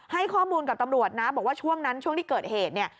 ให้ข้อมูลกับตำรวจนะบอกว่าช่วงนั้นช่วงที่เกิดเหตุเนี่ย